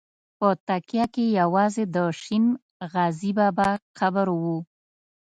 په تکیه کې یوازې د شین غزي بابا قبر و.